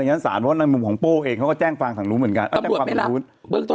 เพราะฉะนั้นมุมของโป้เองเขาก็แจ้งฟังทางนู้นเหมือนกัน